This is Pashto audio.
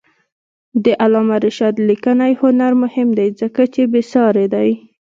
د علامه رشاد لیکنی هنر مهم دی ځکه چې بېسارې دی.